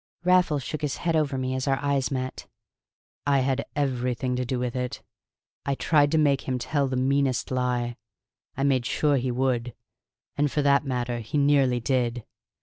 Raffles shook his head over me as our eyes met. "I had everything to do with it. I tried to make him tell the meanest lie. I made sure he would, and for that matter he nearly did.